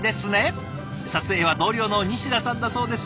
撮影は同僚の西田さんだそうです。